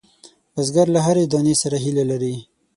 بزګر له هرې دانې سره هیله لري